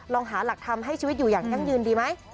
ลองหาหลักทำให้ชีวิตอยู่อย่างยั่งยืนดีไหม